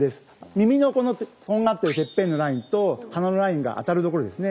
耳のとんがってるてっぺんのラインと鼻のラインが当たるところですね。